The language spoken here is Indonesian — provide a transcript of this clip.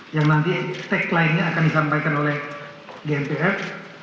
yang nanti tagline nya akan disampaikan oleh gnpf